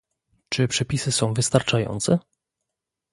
Czy przepisy są wystarczające?